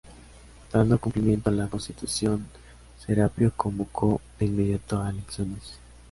Dando cumplimiento a la Constitución, Serapio convocó de inmediato a elecciones.